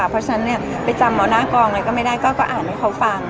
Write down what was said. เพราะฉะนั้นเนี่ยไปจำเอาหน้ากองอะไรก็ไม่ได้ก็อ่านให้เขาฟัง